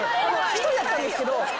１人だったんですけど。